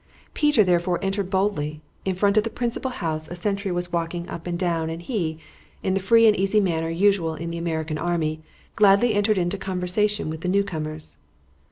Peter therefore entered boldly. In front of the principal house a sentry was walking up and down, and he, in the free and easy manner usual in the American army, gladly entered into conversation with the newcomers.